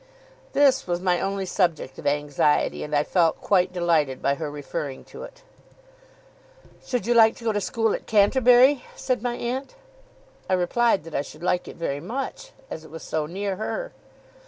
This was my only subject of anxiety, and I felt quite delighted by her referring to it. 'Should you like to go to school at Canterbury?' said my aunt. I replied that I should like it very much, as it was so near her.